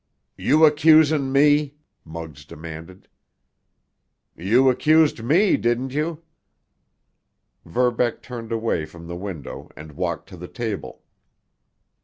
"You accusin' me?" Muggs demanded. "You accused me, didn't you?" Verbeck turned away from the window and walked to the table.